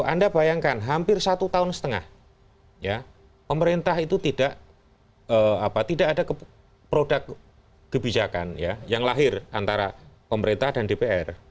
anda bayangkan hampir satu tahun setengah pemerintah itu tidak ada produk kebijakan yang lahir antara pemerintah dan dpr